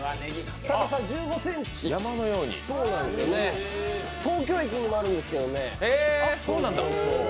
高さ１５ｃｍ、東京駅にもあるんですけどね。